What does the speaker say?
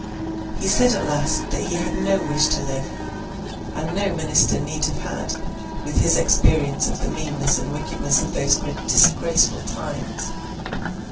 He said at last that he had no wish to live; and no Minister need have had, with his experience of the meanness and wickedness of those disgraceful times.